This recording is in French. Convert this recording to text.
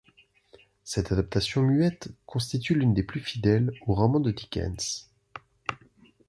Cette adaptation muette constitue l'une des plus fidèles au roman de Dickens.